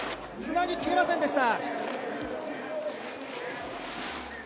つなぎきれませんでした。